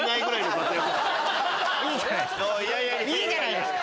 いいじゃないですか！